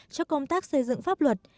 cho công tác xây dựng pháp luật